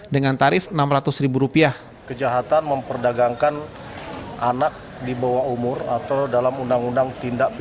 dengan tarif rp enam ratus